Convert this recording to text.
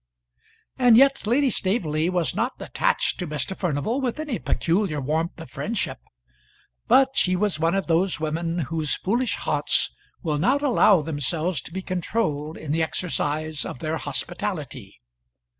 And yet Lady Staveley was not attached to Mr. Furnival with any peculiar warmth of friendship; but she was one of those women whose foolish hearts will not allow themselves to be controlled in the exercise of their hospitality.